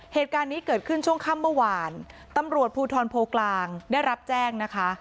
เหตุการณ์นี้เกิดขึ้นช่วงค่ำเมื่อวานตำรวจภูทรโพกลางได้รับแจ้งนะคะ